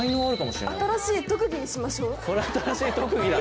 新しい特技にしましょう。